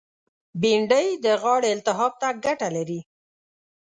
بېنډۍ د غاړې التهاب ته ګټه لري